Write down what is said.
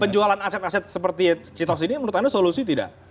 penjualan aset aset seperti citos ini menurut anda solusi tidak